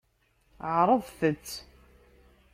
Ɛeṛḍet-t.